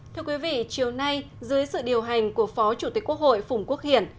thưa quý vị chiều nay dưới sự điều hành của phó chủ tịch quốc hội phùng quốc hiển